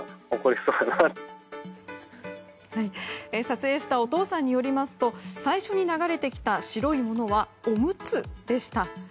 撮影したお父さんによりますと最初に流れてきた白いものはオムツでした。